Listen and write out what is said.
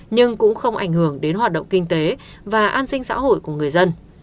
nhưng cũng không ảnh hưởng đến hoạt động kinh tế và an sinh xã hội của người dân